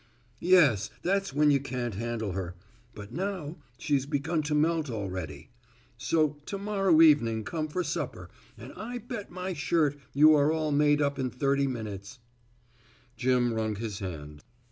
"Yes, that's when you can't handle her. But now, she's begun to melt already. So to morrow evening come for supper, and I bet my shirt you are all made up in thirty minutes." Jim wrung his hand.